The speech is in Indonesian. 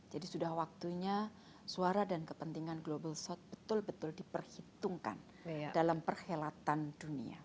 jadi sudah waktunya suara dan kepentingan global south betul betul diperhitungkan dalam perhelatan dunia